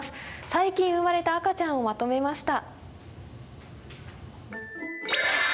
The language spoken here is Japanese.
最近生まれた赤ちゃんをまとめました。